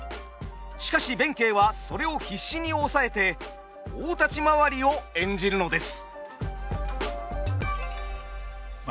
しかし弁慶はそれを必死に抑えて大立ち回りを演じるのです。